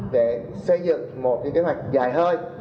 để xây dựng một kế hoạch dài hơi